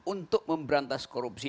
untuk memberantas korupsi